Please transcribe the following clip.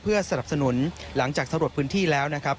เพื่อสนับสนุนหลังจากสำรวจพื้นที่แล้วนะครับ